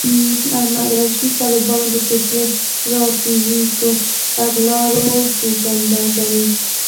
احمد رشید طالبان د پېچلو سټراټیژیکو تګلارو زېږنده ګڼي.